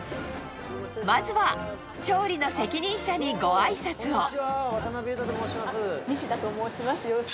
まずは調理の責任者にごあい西田と申します。